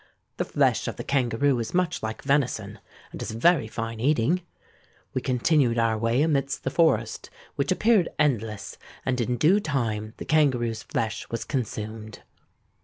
The flesh of the kangaroo is much like venison, and is very fine eating. We continued our way amidst the forest, which appeared endless; and in due time the kangaroo's flesh was consumed.